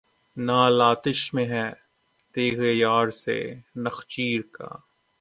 نعل آتش میں ہے تیغ یار سے نخچیر کا